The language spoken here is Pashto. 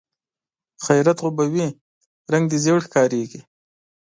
خيرت خو به وي؟ رنګ دې ژېړ ښکاري.